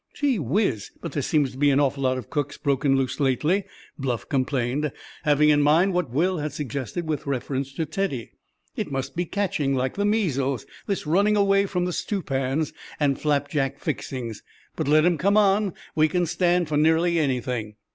"Gee, whiz! but there seems to be an awful lot of cooks broken loose lately," Bluff complained, having in mind what Will had suggested with reference to Teddy. "It must be catching, like the measles, this running away from the stew pans and flapjack fixings. But let 'em come on; we can stand for nearly anything."